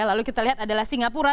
lalu kita lihat adalah singapura